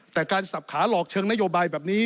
แต่การสับขาหลอกเชิงนโยบายแบบนี้